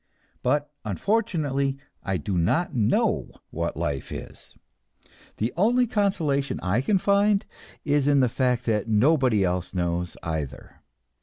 But unfortunately I do not know what Life is. The only consolation I can find is in the fact that nobody else knows either.